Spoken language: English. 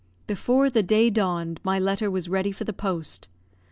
Before the day dawned, my letter was ready for the post.